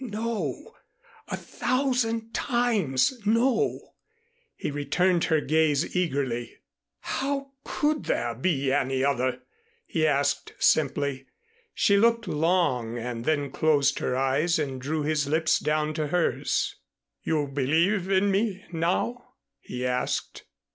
"No a thousand times no," he returned her gaze eagerly. "How could there be any other?" he asked simply. She looked long and then closed her eyes and drew his lips down to hers. "You believe in me now?" he asked.